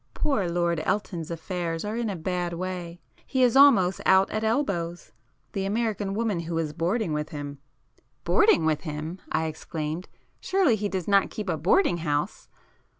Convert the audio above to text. Poor Lord Elton's affairs are in a bad way—he is almost out at elbows;—the American woman who is boarding with him——" "Boarding with him!" I exclaimed—"Surely he does not keep a boarding house?"